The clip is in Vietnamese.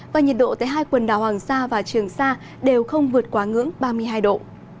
và nhiệt độ tại hai quần đảo hoàng sa và trường sa đều không vượt quá ngưỡng ba mươi hai độ